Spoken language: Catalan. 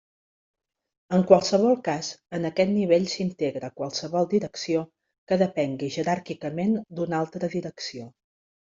En qualsevol cas, en aquest nivell s'integra qualsevol Direcció que depengui jeràrquicament d'una altra Direcció.